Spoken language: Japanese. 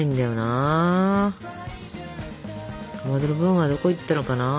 かまどの分はどこいったのかな？